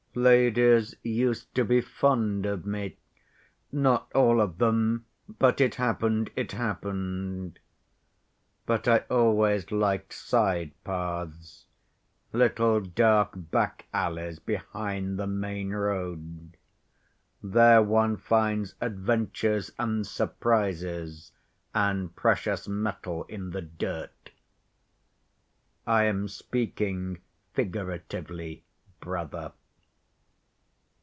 Ladies used to be fond of me: not all of them, but it happened, it happened. But I always liked side‐paths, little dark back‐alleys behind the main road—there one finds adventures and surprises, and precious metal in the dirt. I am speaking figuratively, brother.